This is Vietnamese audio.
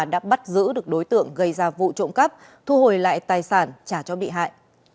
đã bắt giữ được đối tượng gây ra vụ trộm cắp thu hồi lại tài sản trả cho bị hại